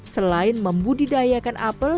selain membudidayakan apel